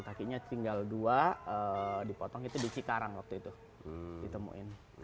kakinya tinggal dua dipotong itu di cikarang waktu itu ditemuin